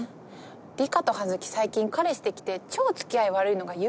梨花と葉月最近彼氏できて超付き合い悪いのが許せないの